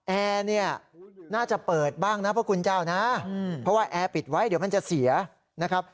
แอร์เนี่ยน่าจะเปิดบ้างนะพระคุณเจ้านะเพราะว่าแอร์ปิดไว้เดี๋ยวมันจะเสียนะครับ